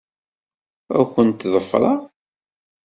Ad kent-ḍefṛeɣ.